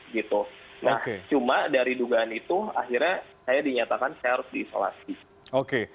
nah cuma dari dugaan itu akhirnya saya dinyatakan saya harus diisolasi